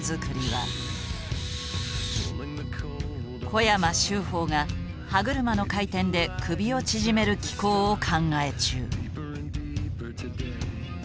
小山修朋が歯車の回転で首を縮める機構を考え中。